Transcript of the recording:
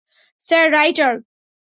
Sir, writer?